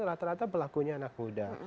rata rata pelakunya anak muda